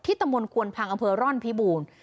ที่ตมรควรพังอำเภอร่อนพิบูรณ์